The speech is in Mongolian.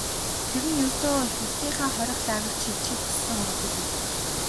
Тэр нь ердөө эх нутгийнхаа хорих лагерьт шилжихийг хүссэн өргөдөл байлаа.